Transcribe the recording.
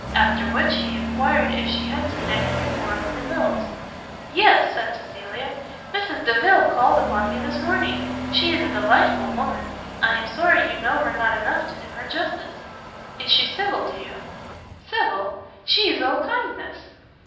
After which, he enquired if she had seen any thing more of the Delviles? "Yes," said Cecilia, "Mrs. Delvile called upon me this morning. She is a delightful woman; I am sorry you know her not enough to do her justice." "Is she civil to you?" "Civil? she is all kindness!"